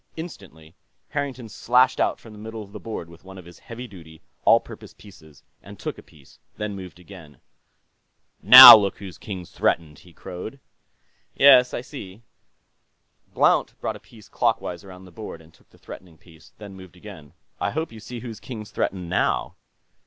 Instantly, Harrington slashed out from the middle of the board with one of his heavy duty, all purpose pieces and took a piece, then moved again. "Now look whose king's threatened!" he crowed. "Yes, I see." Blount brought a piece clockwise around the board and took the threatening piece, then moved again. "I hope you see whose king's threatened, now."